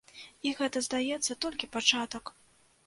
І гэта, здаецца, толькі пачатак.